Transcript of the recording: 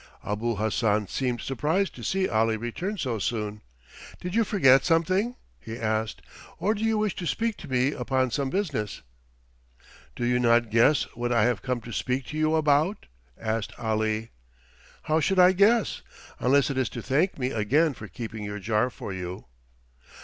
Abul Hassan seemed surprised to see Ali return so soon. "Did you forget something?" he asked. "Or do you wish to speak to me upon some business?" "Do you not guess what I have come to speak to you about?" asked Ali. "How should I guess? Unless it is to thank me again for keeping your jar for you."